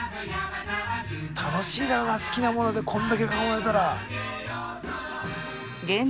楽しいだろうな好きなものでこんだけ囲まれたら。